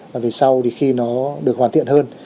và về sau thì khi nó được hoàn thiện hơn